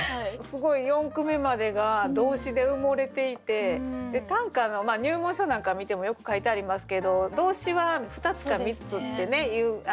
すごい四句目までが動詞で埋もれていて短歌の入門書なんか見てもよく書いてありますけど動詞は２つか３つっていう。